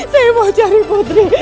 saya mau cari putri